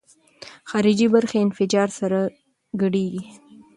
خارجي برخې انفجار سره ګډېږي.